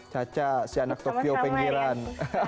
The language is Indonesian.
caca si anak tokyo pinggiran